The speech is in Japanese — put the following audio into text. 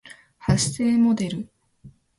発声モデル